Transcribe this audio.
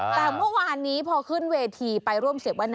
แต่เมื่อวานนี้พอขึ้นเวทีไปร่วมเสีย